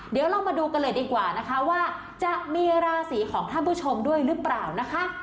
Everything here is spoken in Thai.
เดี๋ยวเรามาดูกันเลยดีกว่านะคะว่าจะมีราศีของท่านผู้ชมด้วยหรือเปล่านะคะ